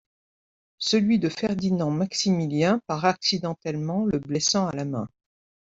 Celui de Ferdinand-Maximilien part accidentellement, le blessant à la main.